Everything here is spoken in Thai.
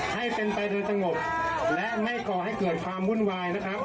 ให้เป็นไปโดยสงบและไม่ก่อให้เกิดความวุ่นวายนะครับ